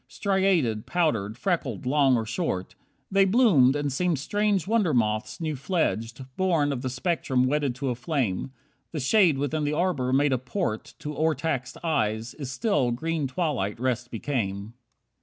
Striated, powdered, freckled, long or short. They bloomed, and seemed strange wonder moths new fledged, Born of the spectrum wedded to a flame. The shade within the arbour made a port To o'ertaxed eyes, its still, green twilight rest became.